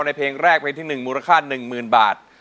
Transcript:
เพลงแรกเพลงที่๑มูลค่า๑๐๐๐บาท